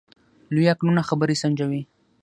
لوی عقلونه خبرې سنجوي.